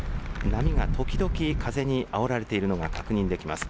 波が時々、風にあおられているのが確認できます。